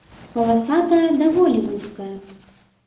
Паласа тая даволі вузкая.